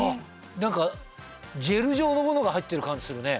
何かジェル状のものが入ってる感じするね。